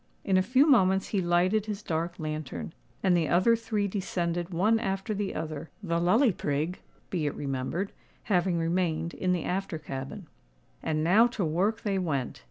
In a few moments he lighted his dark lantern; and the other three descended one after the other, the Lully Prig, be it remembered, having remained in the after cabin. And now to work they went.